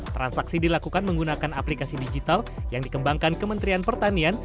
transaksi dilakukan menggunakan aplikasi digital yang dikembangkan kementerian pertanian